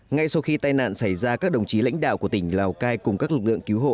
ngay sau khi tai nạn xảy ra các đồng chí lãnh đạo của tỉnh lào cai cùng các lực lượng cứu hộ